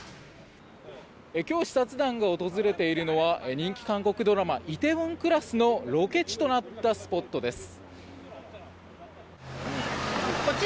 今日視察団が訪れているのは人気韓国ドラマ「梨泰院クラス」のロケ地となったスポットです。